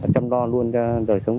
chăm lo luôn đời sống